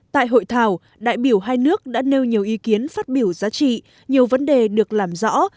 tại hội thảo đại biểu hai nước đã nêu nhiều ý kiến phát biểu giá trị nhiều vấn đề được làm rõ